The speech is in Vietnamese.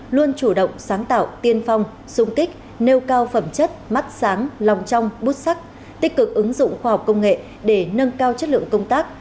luôn chủ động sáng tạo tiên phong sung kích nêu cao phẩm chất mắt sáng lòng trong bút sắc tích cực ứng dụng khoa học công nghệ để nâng cao chất lượng công tác